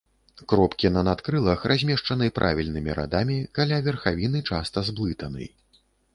Кропкі на надкрылах размешчаны правільнымі радамі, каля верхавіны часта зблытаны.